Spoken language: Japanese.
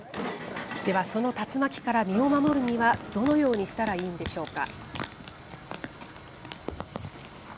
では、その竜巻から身を守るには、どのようにしたらいいのでしょうか。